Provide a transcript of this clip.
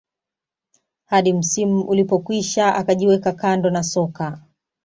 hadi msimu ulipokwisha akajiweka kando na soka